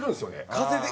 風で？